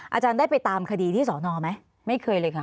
อาจารย์ได้ไปตามคดีที่สอนอไหมไม่เคยเลยค่ะ